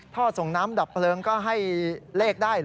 ท่อส่งน้ำดับเพลิงก็ให้เลขได้เหรอ